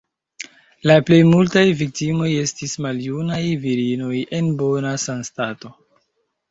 La plej multaj viktimoj estis maljunaj virinoj en bona sanstato.